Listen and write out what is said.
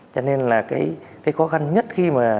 cho nên là cái khó khăn nhất khi mà